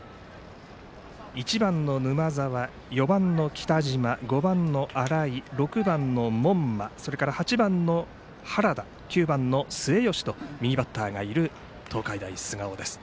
１番の沼澤、４番の北島５番の新井、６番の門間８番の原田９番の末吉と右バッターがいる東海大菅生です。